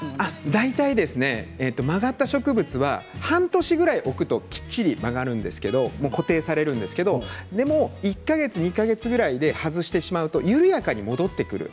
大体、曲がった植物は半年ぐらい置くときっちり曲がるんですけど固定されるんですけど１か月、２か月ぐらいで外してしまうと緩やかに戻ってくる。